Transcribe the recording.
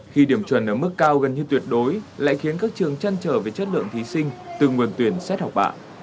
khi điểm chuẩn ở mức cao gần như tuyệt đối lại khiến các trường chăn trở về chất lượng thí sinh từ nguồn tuyển xét học bạ